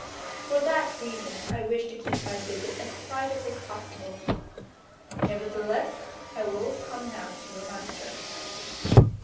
For that reason I wish to keep my visit as private as possible, nevertheless I will come now to your master."